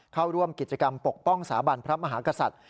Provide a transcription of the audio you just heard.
เข้าร่วมกิจกรรมปกป้องสถาบันพระมหากษัตริย์